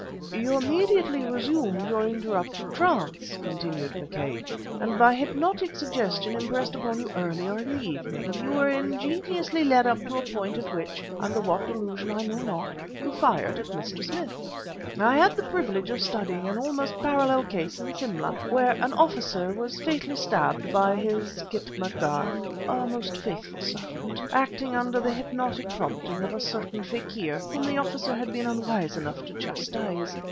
"You immediately resumed your interrupted trance," continued McCabe, "and by hypnotic suggestion impressed upon you earlier in the evening, you were ingeniously led up to a point at which, under what delusion I know not, you fired at Mr. Smith. I had the privilege of studying an almost parallel case in Simla, where an officer was fatally stabbed by his khitmatgar (a most faithful servant) acting under the hypnotic prompting of a certain fakîr whom the officer had been unwise enough to chastise.